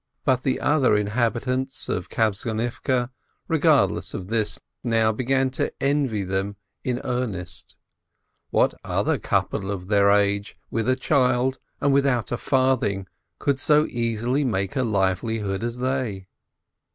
But the other inhabitants of Kabtzonivke, regardless of this, now began to envy them in earnest: what other couple of their age, with a child and without a farthing, could so easily make a live lihood as they?